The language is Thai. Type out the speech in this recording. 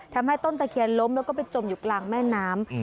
ทำให้ต้นตะเคียนล้มแล้วก็ไปจมอยู่กลางแม่น้ำ